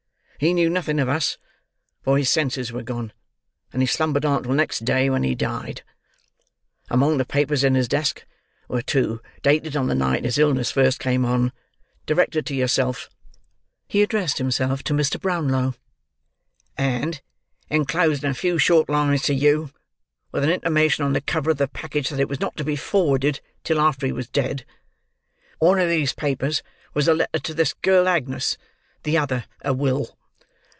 He knew nothing of us, for his senses were gone, and he slumbered on till next day, when he died. Among the papers in his desk, were two, dated on the night his illness first came on, directed to yourself"; he addressed himself to Mr. Brownlow; "and enclosed in a few short lines to you, with an intimation on the cover of the package that it was not to be forwarded till after he was dead. One of these papers was a letter to this girl Agnes; the other a will."